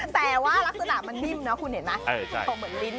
แปลว่ารักษณะมันนิ่มนะคุณเห็นมัน